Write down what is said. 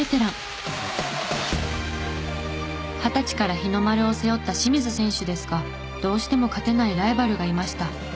二十歳から日の丸を背負った清水選手ですがどうしても勝てないライバルがいました。